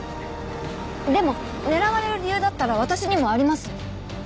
でも狙われる理由だったら私にもあります。